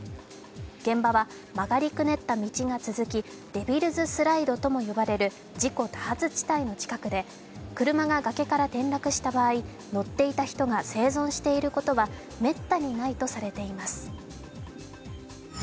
現場は曲がりくねった道が続きデビルズ・スライドとも呼ばれる事故多発地帯の近くで、車が崖から転落した場合、乗っていた人が生存していることはめったにないとされています。